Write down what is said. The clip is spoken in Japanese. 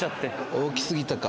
大き過ぎたか。